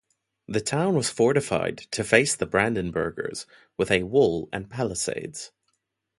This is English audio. The town was fortified to face the Brandenburgers, with a wall and palisades.